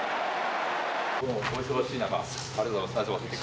お忙しい中ありがとうございます。